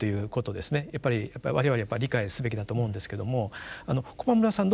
やっぱり我々やっぱ理解すべきだと思うんですけどもあの駒村さん